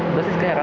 itu sih segera